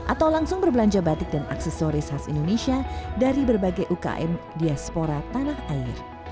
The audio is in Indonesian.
atau langsung berbelanja batik dan aksesoris khas indonesia dari berbagai ukm diaspora tanah air